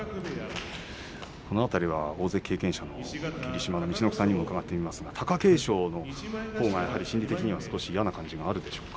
この辺りは大関経験者の霧島の陸奥さんにも伺ってみますが貴景勝のほうも心理的には少し嫌な感じがあるでしょうか。